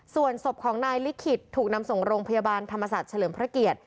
ส่วนศพของนายลิขิตถูกนำส่งโรงพยาบาลธรรมศาสตร์เฉลิมพระเกียรติ